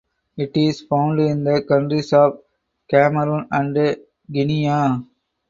It is found in the countries of Cameroon and Guinea.